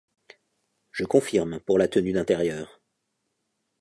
Je confirme pour la tenue d’intérieur.